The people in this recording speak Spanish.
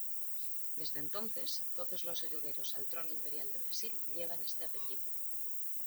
Desde entonces todo los herederos al Trono Imperial de Brasil llevan este apellido.